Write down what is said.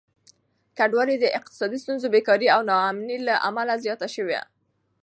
کډوالي د اقتصادي ستونزو، بېکاري او ناامني له امله زياته شوه.